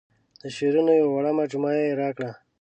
د شعرونو یوه وړه مجموعه یې راکړه.